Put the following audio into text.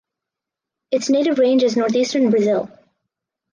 Its native range is Northeastern Brazil.